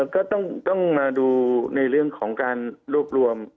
ก็ต้องมาดูในเรื่องของการรวบรวม